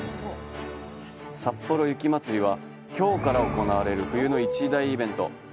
さっぽろ雪まつりはきょうから行われる冬の一大イベント。